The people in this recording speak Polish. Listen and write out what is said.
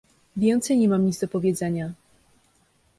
"Więcej nie mam nic do powiedzenia."